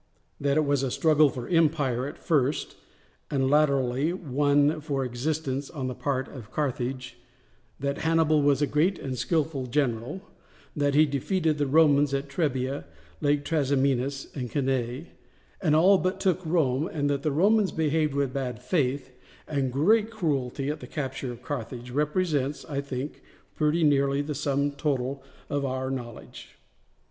That it was a struggle for empire at first, and latterly one for existence on the part of Carthage, that Hannibal was a great and skilful general, that he defeated the Romans at Trebia, Lake Trasimenus, and Cannae, and all but took Rome, and that the Romans behaved with bad faith and great cruelty at the capture of Carthage, represents, I think, pretty nearly the sum total of our knowledge.